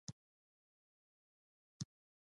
ما خو اورېدلي وو چې د مشق کې دی.